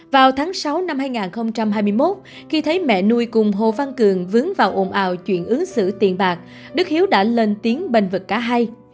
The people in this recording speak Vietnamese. vào tháng sáu năm hai nghìn hai mươi một khi thấy mẹ nuôi cùng hồ văn cường vướng vào ồn ào chuyện ứng xử tiền bạc đức hiếu đã lên tiếng bền vực cả hai